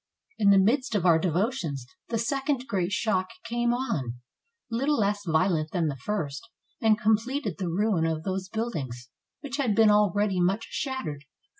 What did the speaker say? ... In the midst of our devotions, the second great shock came on, little less violent than the first, and completed the ruin of those buildings which had been already much shat tered.